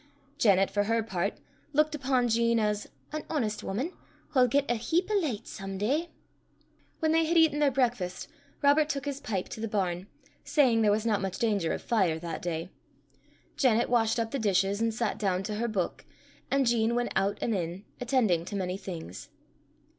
Janet, for her part, looked upon Jean as "an honest wuman, wha 'll get a heap o' licht some day." When they had eaten their breakfast, Robert took his pipe to the barn, saying there was not much danger of fire that day; Janet washed up the dishes, and sat down to her Book; and Jean went out and in, attending to many things.